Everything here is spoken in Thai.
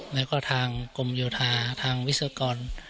แล้วก็ทางกรมโยธาทางวิศกร